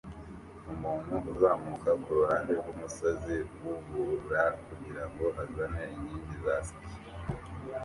Umuntu uzamuka kuruhande rwumusozi wubura kugirango azane inkingi za ski